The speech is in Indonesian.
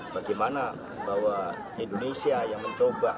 bagaimana bahwa indonesia yang mencoba